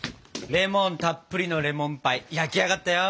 レモンたっぷりのレモンパイ焼き上がったよ！